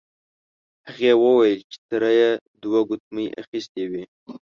هغې وویل چې تره یې دوه ګوتمۍ اخیستې وې.